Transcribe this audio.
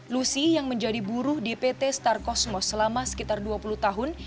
lucy yang menjadi buruh di pt star kosmos selama sekitar dua puluh tahun